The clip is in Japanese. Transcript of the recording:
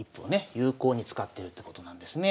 有効に使ってるってことなんですね。